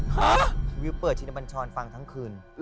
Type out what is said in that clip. พี่วิวก็เปิดชีนบันชรฟังทั้งคืนฮะ